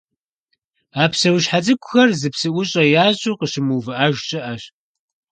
А псэущхьэ цӀыкӀухэр зы псыӀущӀэ ящӀу къыщымыувыӀэж щыӀэщ.